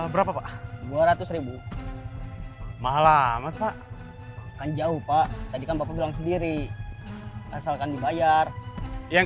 berapa pak dua ratus ribu mah pak kan jauh pak tadi kan bapak bilang sendiri asalkan dibayar yang